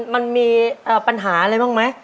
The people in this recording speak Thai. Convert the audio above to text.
มันมีปัญหาอะไรบ้างไหม